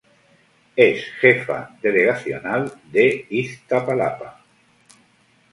Es Jefa Delegacional de Iztapalapa.